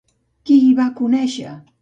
Qui hi va conèixer?